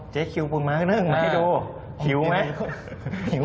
เจ๊คิวปูม้าหนึ่งมาให้ดูคิวไหม